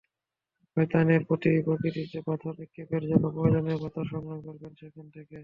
শয়তানের প্রতিকৃতিতে পাথর নিক্ষেপের জন্য প্রয়োজনীয় পাথর সংগ্রহ করবেন সেখান থেকে।